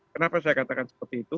kenapa saya katakan seperti itu